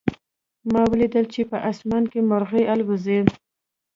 ما ولیدل چې په آسمان کې مرغۍ الوزي